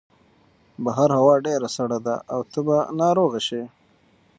بهر هوا ډېره سړه ده او ته به ناروغه شې.